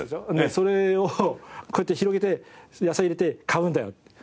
それをこうやって広げて野菜入れて買うんだよ